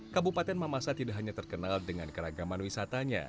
kabupaten mamasa tidak hanya terkenal dengan keragaman wisatanya